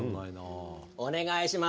お願いします。